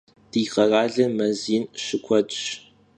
Di kheralım mez yin şıkuedş.